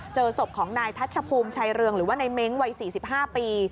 เจอศพของนายทัชภูมิชัยเรืองหรือว่าในเม้งวัย๔๕ปี